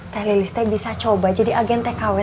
teh lilis teh bisa coba jadi agen teknologi